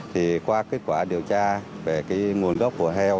thì qua kết quả điều tra về cái nguồn gốc của heo